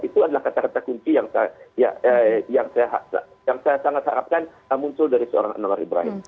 itu adalah kata kata kunci yang saya sangat harapkan muncul dari seorang anwar ibrahim